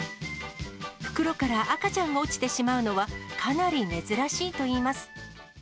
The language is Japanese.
袋から赤ちゃんが落ちてしまうのはかなり珍しいといいます。